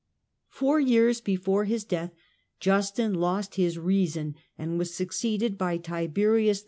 Four years before his death Justin lost his reason, Tiberius and was succeeded by Tiberius II.